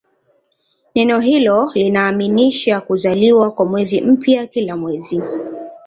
Neno hilo linamaanisha "kuzaliwa" kwa mwezi mpya kila mwezi.